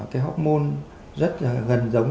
cái hormone rất là gần giống